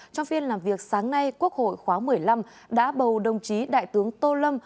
trong phiên làm việc sáng nay quốc hội khóa một mươi năm đã bầu đồng chí đại tướng tô lâm